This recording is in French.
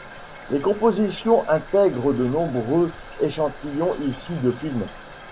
Les compositions intègrent de nombreux échantillons issus de films.